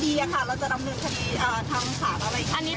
เราจะดำเนินคดีทางศาลอะไรอย่างนี้